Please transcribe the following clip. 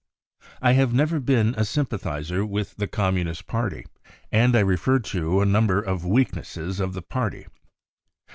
I have never been a sympathiser with the Communist Party, and I referred to a number of weaknesses of the party.